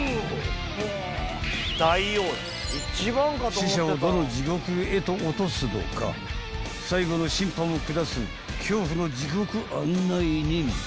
［死者をどの地獄へと落とすのか最後の審判を下す恐怖の地獄案内人］